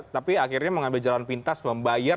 tapi akhirnya mengambil jalan pintas membayar